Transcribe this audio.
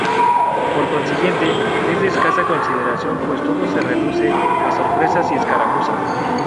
Por consiguiente, es de escasa consideración pues todo se reduce a sorpresas y escaramuzas.